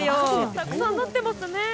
たくさんなってますね。